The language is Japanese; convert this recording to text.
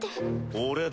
俺だ。